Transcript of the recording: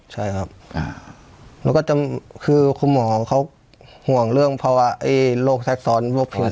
ใช่ครับแล้วก็คือคุณหมอเขาห่วงเรื่องโรคซักซ้อน